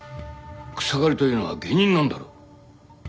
草刈というのは下忍なんだろ？